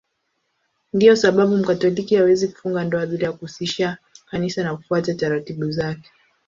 Ndiyo sababu Mkatoliki hawezi kufunga ndoa bila ya kuhusisha Kanisa na kufuata taratibu zake.